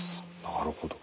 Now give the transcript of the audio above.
なるほど。